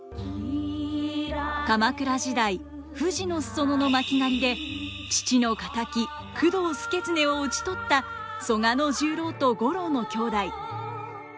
鎌倉時代富士の裾野の巻狩で父の敵工藤祐経を討ち取った曽我十郎と五郎の兄弟。